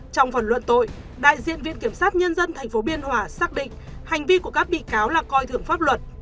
trong phần luận tội đại diện viện kiểm sát nhân dân tp biên hòa xác định hành vi của các bị cáo là coi thường pháp luật